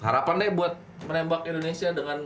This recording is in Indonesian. seharapannya buat menembak indonesia dengan